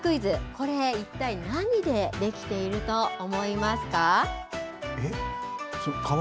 これ一体何でできていると思いますか。